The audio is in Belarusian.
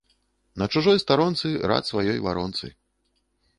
На чужой старонцы рад сваёй варонцы